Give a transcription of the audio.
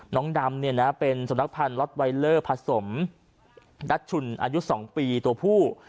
น้องดำเนี้ยนะเป็นสนักพันธ์ล็อตไวเลอร์ผัดสมดัชฉุนอายุสองปีตัวผู้